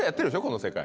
この世界。